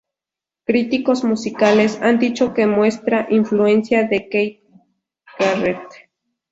Críticos musicales han dicho que muestra influencias de Keith Jarrett.